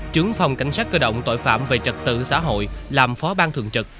trưởng phòng cảnh sát cơ động tội phạm về trật tự xã hội làm phó ban thường trực